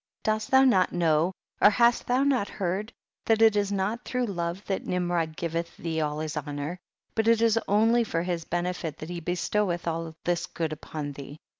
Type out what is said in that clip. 66. Dost thou not know or hast thou not heard, that it is not through love that Nimrod giveth thee all this honour, but it is oidy for his benefit that he bcstoweth all this good upon thee?